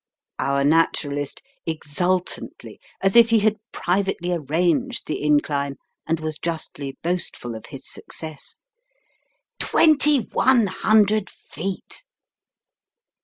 Our Naturalist (exultantly, as if he had privately arranged the incline, and was justly boastful of his success): "2100 feet."